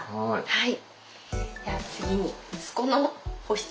はい！